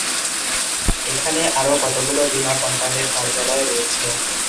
এখানে আরো কতগুলো বীমা কোম্পানির কার্যালয় রয়েছে।